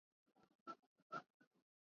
Credits adapted from Beach House and Sub Pop.